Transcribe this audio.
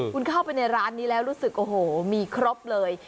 คุณเข้าไปในร้านนี้แล้วรู้สึกโอ้โหมีครบเลย